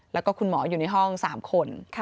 แล้วก็คุณหมออยู่ในห้อง๓คน